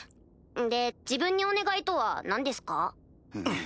で自分にお願いとは何ですか？